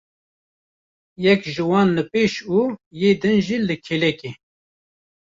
Yek ji wan li pêş û yê din jî li kêlekê.